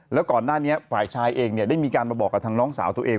แล้วก่อนหน้านี้ฝ่ายชายเองได้มีการมาบอกกับทางน้องสาวตัวเอง